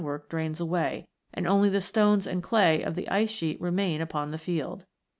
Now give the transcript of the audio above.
work drains away, and only the stones and clay of the ice sheet remain upon the field.